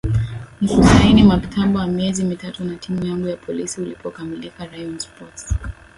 na kusaini mkataba wa miezi mitatu na timu yangu ya Polisi ulipokamilika Rayon Sports